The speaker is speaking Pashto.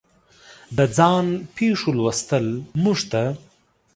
د ځان پېښو لوستل موږ ته